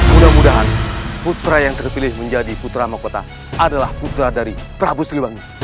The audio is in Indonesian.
mudah mudahan putra yang terpilih menjadi putra mahkota adalah putra dari prabu sriwangi